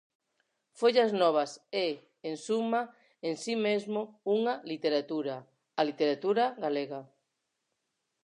Follas Novas é, en suma, en si mesmo, unha literatura: a Literatura Galega.